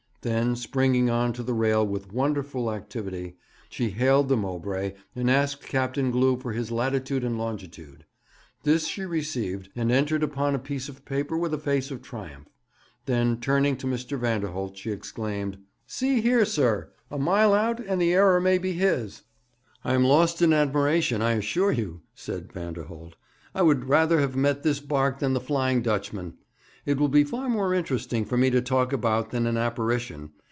Then, springing on to the rail with wonderful activity, she hailed the Mowbray, and asked Captain Glew for his latitude and longitude. This she received, and entered upon a piece of paper with a face of triumph. Then, turning to Mr. Vanderholt, she exclaimed: 'See here, sir! A mile out, and the error may be his.' 'I am lost in admiration, I assure you,' said Vanderholt. 'I would rather have met this barque than the Flying Dutchman. It will be far more interesting to me to talk about than an apparition.